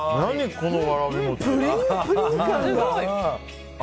このわらび餅。